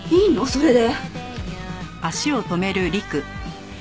それで。